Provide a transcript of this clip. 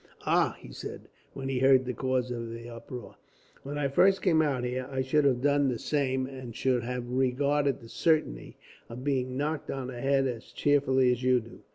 "Ah!" he said, when he heard the cause of the uproar; "when I first came out here, I should have done the same, and should have regarded the certainty of being knocked on the head as cheerfully as you do.